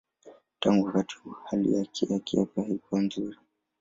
Tangu wakati huo hali yake ya kiafya haikuwa nzuri.